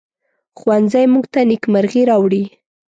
ښوونځی موږ ته نیکمرغي راوړي